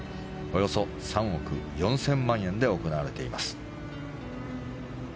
およそ３億４０００万円で行われています。